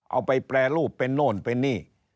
เอาไปแปรรูปเป็นโน่นเป็นนี่